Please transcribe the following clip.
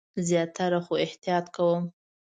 زیاتره، خو احتیاط کوم